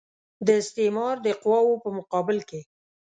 د استعمار د قواوو په مقابل کې.